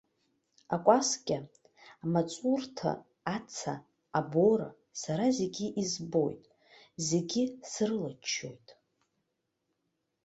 Акәаскьа, амаҵурҭа, аца, абора, сара зегь збоит, зегьы срылачоит.